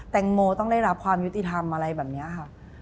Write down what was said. แตงโมต้องได้รับความยุติธรรมอะไรแบบนี้ค่ะ